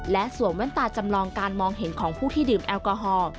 และสวมแว่นตาจำลองการมองเห็นของผู้ที่ดื่มแอลกอฮอล์